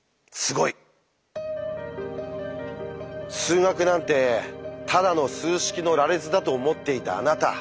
数学なんてただの数式の羅列だと思っていたあなた。